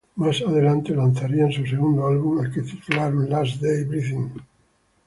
Más adelante lanzarían su segundo álbum, al que titularon "Last Day Breathing".